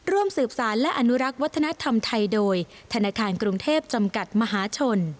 ร่วมสืบสารและอนุรักษ์วัฒนธรรมไทยโดยธนาคารกรุงเทพจำกัดมหาชน